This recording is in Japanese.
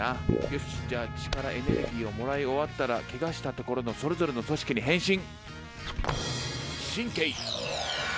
よしじゃあ血からエネルギーをもらい終わったらけがしたところのそれぞれの組織に変身。